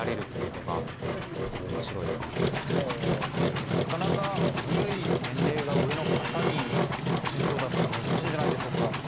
でもなかなか自分より年齢が上の方に指示を出すっていうのは難しいんじゃないでしょうか？